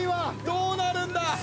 どうなるんだ！